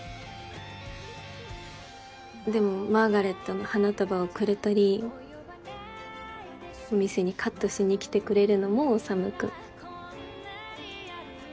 でもマーガレットの花束をくれたりお店にカットしに来てくれるのも修君。